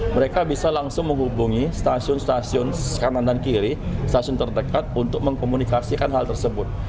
mereka bisa langsung menghubungi stasiun stasiun kanan dan kiri stasiun terdekat untuk mengkomunikasikan hal tersebut